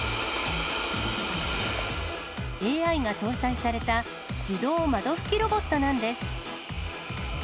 ＡＩが搭載された自動窓拭きロボットなんです。